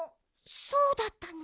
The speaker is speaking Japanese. そうだったの？